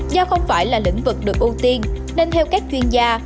do không phải là lĩnh vực được ưu tiên nên theo các chuyên gia